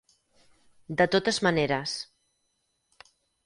De totes maneres.